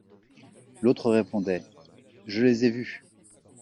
L’autre répondait: — Je les ai vus.